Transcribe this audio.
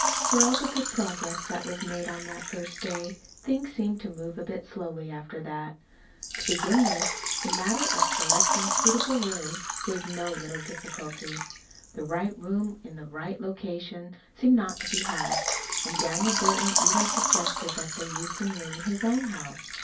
For all the good progress that was made on that first day, things seemed to move a bit slowly after that. To begin with, the matter of selecting a suitable room gave no little difficulty. The right room in the right location seemed not to be had; and Daniel Burton even suggested that they use some room in his own house.